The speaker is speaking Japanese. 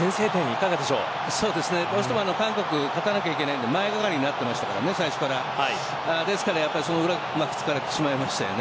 どうしても韓国勝たなければいけないので前がかりになっていました最初からですから、その裏うまく突かれてしまいましたよね。